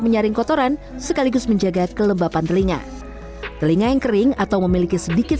menyaring kotoran sekaligus menjaga kelembapan telinga telinga yang kering atau memiliki sedikit